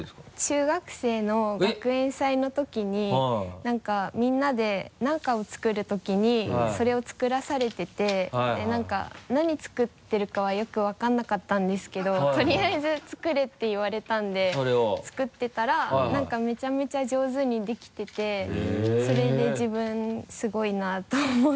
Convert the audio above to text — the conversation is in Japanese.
中学生の学園祭の時にみんなで何かを作る時にそれを作らされてて何かなに作ってるかはよく分からなかったんですけどとりあえず作れって言われたんで作ってたら何かめちゃめちゃ上手にできててそれで自分すごいなと思って。